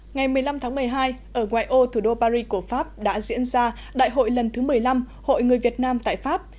ngày một mươi năm tháng một mươi hai ở ngoài ô thủ đô paris của pháp đã diễn ra đại hội lần thứ một mươi năm hội người việt nam tại pháp